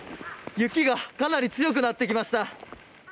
雪がかなり強くなってきました。